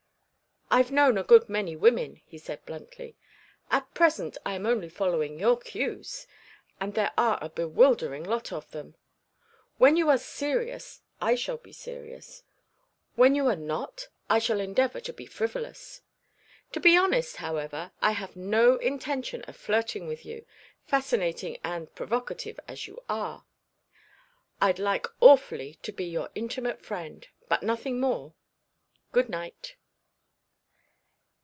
"I've known a good many women," he said, bluntly. "At present I am only following your cues and there are a bewildering lot of them. When you are serious, I shall be serious. When you are not I shall endeavour to be frivolous. To be honest, however, I have no intention of flirting with you, fascinating and provocative as you are. I'd like awfully to be your intimate friend, but nothing more. Good night."